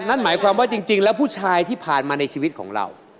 นั่นหมายความว่าจริงแล้วผู้ชายที่ผ่านมาในชีวิตของเรา